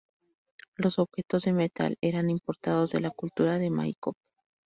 Los objetos de metal eran importados de la cultura de Maikop.